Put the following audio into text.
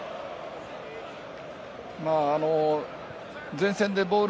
前線でボール